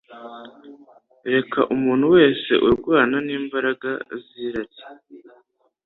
Reka umuntu wese urwana n’imbaraga z’irari